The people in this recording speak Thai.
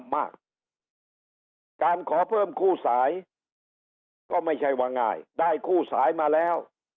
มากการขอเพิ่มคู่สายก็ไม่ใช่ว่าง่ายได้คู่สายมาแล้ว